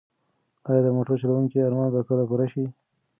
ایا د موټر چلونکي ارمان به کله پوره شي؟